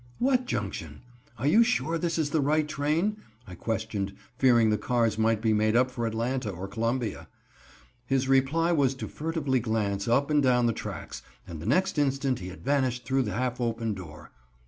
"What Junction? Are you sure this is the right train?" I questioned, fearing the cars might be made up for Atlanta or Columbia. His reply was to furtively glance up and down the tracks, and the next instant he had vanished through the half open door.